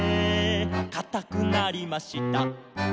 「かたくなりました」